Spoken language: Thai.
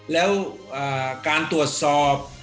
แล้วการตรวจสอบ